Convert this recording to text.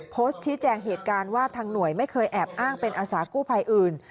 โพสต์ชี้แจงเหตุการณ์ว่าทางหน่วยไม่เคยแอบอ้างเป็นอาสากู้ภัยอื่น